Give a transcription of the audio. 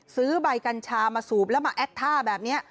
ซื้อใบกัญชามาสูบแล้วมาแอดท่าแบบนี้